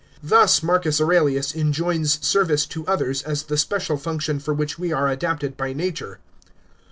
Thus Marcus Aurelius enjoins service to others as the special function for which we are adapted by nature.